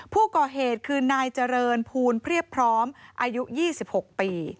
ผู้ก่อเหตุคือนายเจริญภูลเพียบพร้อมอายุ๒๖ปี